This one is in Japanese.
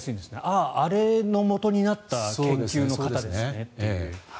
ああ、あれのもとになった研究の方ですねって。